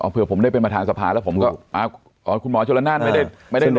เผื่อผมได้เป็นประธานสภาแล้วผมก็อ๋อคุณหมอชนละนานไม่ได้